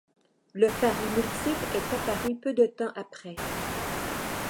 Le pari multiple est apparu peu de temps après.